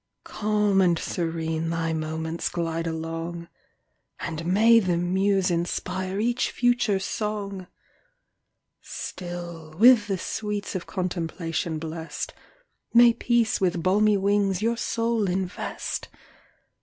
Calm and serene thy moments glide along, And may the muse inspire each future song! Still, with the sweets of contemplation bless'd, May peace with balmy wings your soul invest!